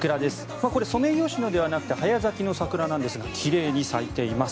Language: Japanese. これはソメイヨシノではなくて早咲きの桜なんですが奇麗に咲いています。